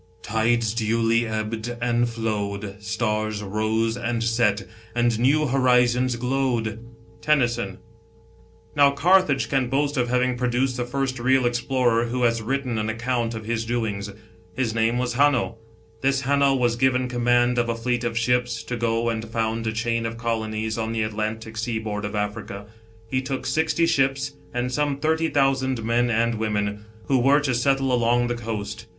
" Tides duly ebbed and flowed, Stars rose and set, And new horizons glowed." TENNYSON. Now Carthage can boast of having produced the first real explorer who has written an account of his doings. His name was Hamio. This Hanno was given command of a fleet of ships, to go and found a chain of colonies on the Atlantic sea board of Africa. He took sixty ships and some thirty thousand men and women, who were to settle along the coast.